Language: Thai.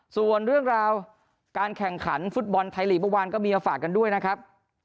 ส่วนเรื่องราวการแข่งขันฟุตบอลไทยลีกเมื่อวานก็มีมาฝากกันด้วยนะครับ